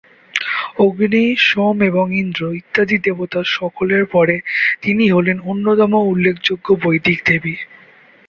অগ্নি, সোম এবং ইন্দ্র ইত্যাদি দেবতা সকলের পরে তিনি হলেন অন্যতম উল্লেখযোগ্য বৈদিক দেবী।